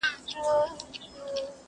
ما لیدلې د وزیرو په مورچو کي!.